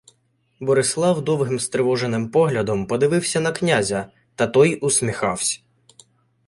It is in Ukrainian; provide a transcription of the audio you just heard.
Борислав довгим стривоженим поглядом подивився на князя, та той усміхавсь.